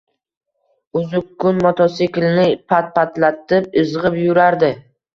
Uzzukun mototsiklni «pat-patlatib» izgʼib yurardi.